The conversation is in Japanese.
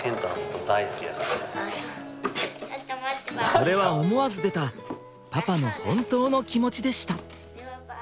それは思わず出たパパの本当の気持ちでした。